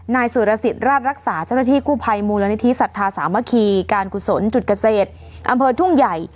นายสุรสิทธิ์ราชรักษาเจ้าหน้าที่กู้ภัยมูลนิธิสัทธาสามัคคีการกุศลจุดเกษตรอำเภอทุ่งใหญ่